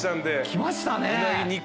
来ましたね！